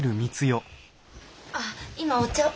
あっ今お茶を。